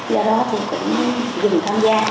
do đó thì cũng dừng tham gia